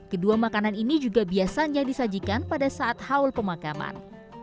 kedua makanan ini juga biasanya disajikan pada saat haul pemakaman